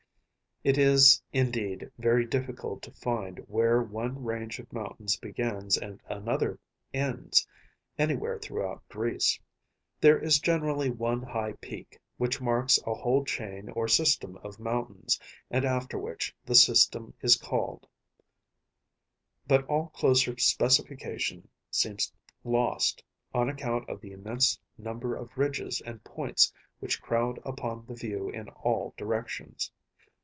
It is, indeed, very difficult to find where one range of mountains begins and another ends, anywhere throughout Greece. There is generally one high peak, which marks a whole chain or system of mountains, and after which the system is called; but all closer specification seems lost, on account of the immense number of ridges and points which crowd upon the view in all directions.